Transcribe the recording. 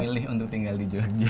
memilih untuk tinggal di jogja